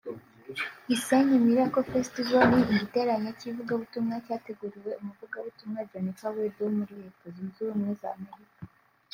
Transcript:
Gisenyi Miracle Festival ni igiterane cy’ivugabutumwa cyateguriwe umuvugabutumwa Jennifer Wilde wo muri Leta Zunze Ubumwe za Amerika